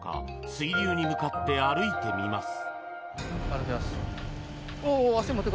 水流に向かって歩いてみます。